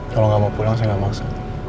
kalau gak mau pulang saya gak maksa